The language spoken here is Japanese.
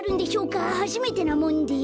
はじめてなもんで。